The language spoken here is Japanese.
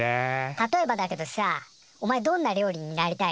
例えばだけどさおまえどんな料理になりたい？